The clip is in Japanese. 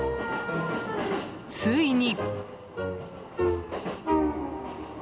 ついに。